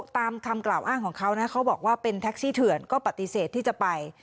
ตามคำกล่าวอ้างของเขานะเขาบอกว่าเป็นแท็กซี่เถื่อนก็ปฏิเสธที่จะไป